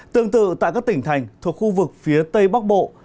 tương tự tại các tỉnh thành thuộc khu vực phía tây bắc bộ